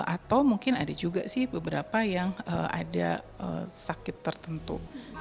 atau mungkin ada juga sih beberapa yang ada sakit tertentu